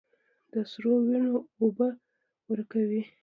د سرو، وینو اوبه ورکوي